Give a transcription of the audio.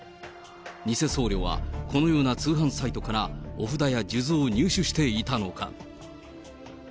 偽僧侶は、このような通販サイトからお札や数珠を入手していたのか。